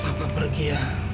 papa pergi ya